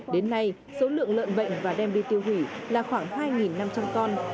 đến nay số lượng lợn bệnh và đem đi tiêu hủy là khoảng hai năm trăm linh con